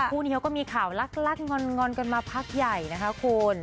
คู่นี้เขาก็มีข่าวลักงอนกันมาพักใหญ่นะคะคุณ